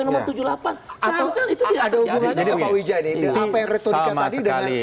seharusnya itu tidak terjadi